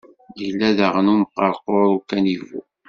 Yella daɣen umqerqur ukanivu.